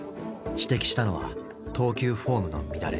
指摘したのは投球フォームの乱れ。